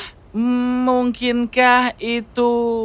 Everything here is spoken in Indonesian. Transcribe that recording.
hmm mungkinkah itu